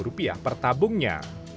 rp delapan belas per tabungnya